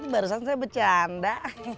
barusan saya bercanda